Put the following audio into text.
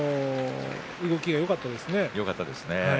動きがよかったですね。